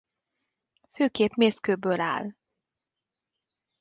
Főképp mészkőből áll.